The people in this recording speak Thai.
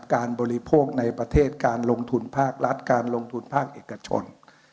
บริโภคในประเทศการลงทุนภาครัฐการลงทุนภาคเอกชน